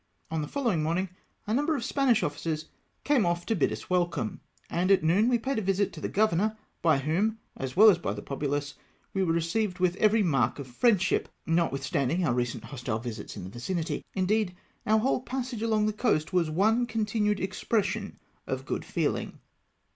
On the following morning a number of Spanish oflicers came ofi* to 256 OFF BARCELONA. bid us welcome, and at noon we paid a visit to the Governor, by whom, as well as by the populace, we were received with every mark of friendship, notwith standing our recent hostile \dsits in the vicinity. Indeed, our whole passage along the coast was one continued expression of good feehng.